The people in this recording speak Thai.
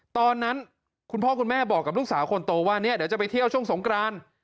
คุณพ่อคุณแม่บอกกับลูกสาวคนโตว่าเนี่ยเดี๋ยวจะไปเที่ยวช่วงสงกราน